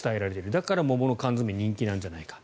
だから桃の缶詰人気なんじゃないか。